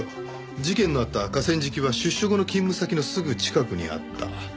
事件のあった河川敷は出所後の勤務先のすぐ近くにあった。